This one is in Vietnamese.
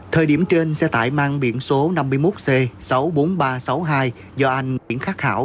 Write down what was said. thời điểm trên xe tải mang biển số năm mươi một c sáu mươi bốn nghìn ba trăm sáu mươi hai do anh nguyễn khắc khảo